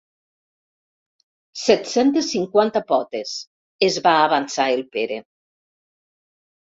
Set-centes cinquanta potes! —es va avançar el Pere.